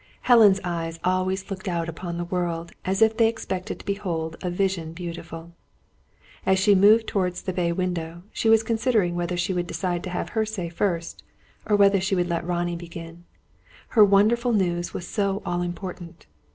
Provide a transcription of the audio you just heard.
Helen's eyes always looked out upon the world, as if they expected to behold a Vision Beautiful. As she moved towards the bay window, she was considering whether she would decide to have her say first, or whether she would let Ronnie begin. Her wonderful news was so all important.